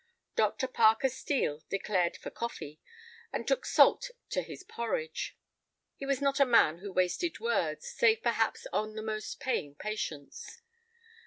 Dr. Parker Steel declared for coffee, and took salt to his porridge. He was not a man who wasted words, save perhaps on the most paying patients.